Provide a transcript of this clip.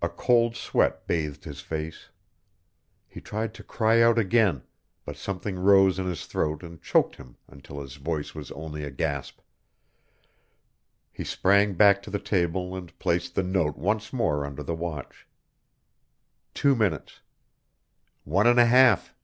A cold sweat bathed his face. He tried to cry out again, but something rose in his throat and choked him until his voice was only a gasp. He sprang back to the table and placed the note once more under the watch. Two minutes! One and a half!